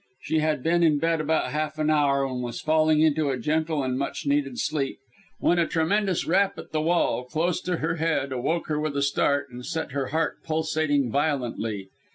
She had been in bed about half an hour, and was falling into a gentle and much needed sleep, when a tremendous rap at the wall, close to her head, awoke her with a start, and set her heart pulsating violently.